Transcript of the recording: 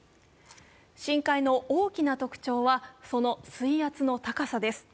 深海の大きな特徴はその水圧の高さです。